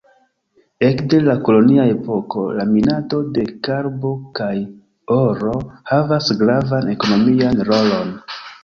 Ekde la kolonia epoko, la minado de karbo kaj oro havas gravan ekonomian rolon.